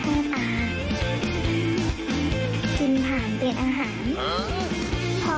กินผ่านเกณฑ์อาหาร